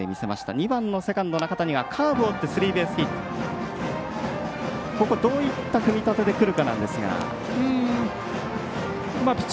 ２番のセカンド、中谷がカーブを打ってスリーベースヒット。